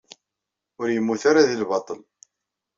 Ur yemmut ara deg lbaṭel.